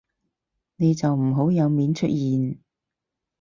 你就唔好有面出現